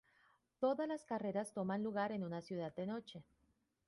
Todas las carreras toman lugar en una ciudad de noche.